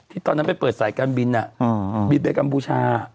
ตอนนั้นไปเปิดสายการบินบินไปกัมพูชา